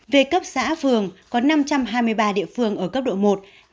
về cấp xã phường có năm trăm hai mươi ba địa phương ở cấp độ một